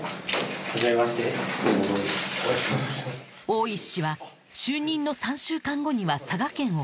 大石氏は就任の３週間後には佐賀県を訪問